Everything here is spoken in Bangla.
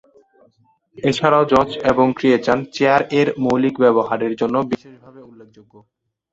এছাড়াও এজ এবং ক্রিশ্চিয়ান চেয়ার এর মৌলিক ব্যবহারের জন্য বিশেষভাবে উল্লেখযোগ্য।